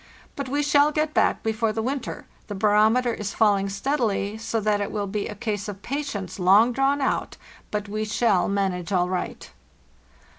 But we shall get back before the winter. The barometer is falling steadily, so that it will be a case of patience long drawn out, but we shall manage all right."